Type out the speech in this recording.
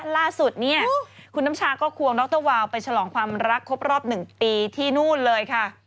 ล่าสุดเนี่ยคุณน้ำชาก็ควงดรวาลไปฉลองความรักครบรอบ๑ปีที่นู่นเลยค่ะ